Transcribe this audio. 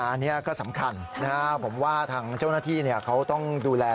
อันนี้ก็สำคัญนะครับผมว่าทางเจ้าหน้าที่เขาต้องดูแล